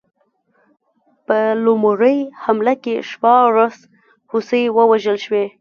په لومړۍ حمله کې شپاړس هوسۍ ووژل شوې.